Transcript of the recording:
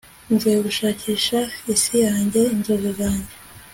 mvuye gushakisha, isi yanjye, inzozi zanjye